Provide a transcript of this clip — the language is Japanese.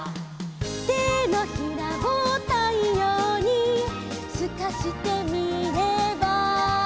「てのひらをたいようにすかしてみれば」